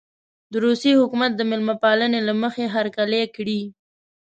د روسیې حکومت د مېلمه پالنې له مخې هرکلی کړی.